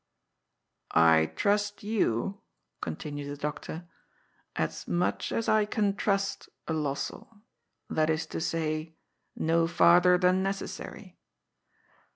I trust you," continued the doctor, " as much as I can trust a Lossell, that is to say, no farther than necessary.